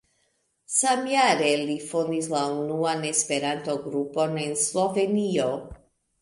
Samjare li fondis la unuan Esperanto-grupon en Slovenio.